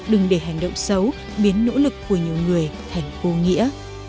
đừng để hành động xấu biến nỗ lực của nhiều người thành vô nghĩa